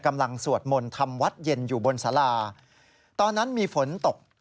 สวดมนต์ทำวัดเย็นอยู่บนสาราตอนนั้นมีฝนตก